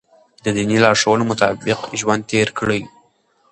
د دیني لارښوونو مطابق ژوند تېر کړئ.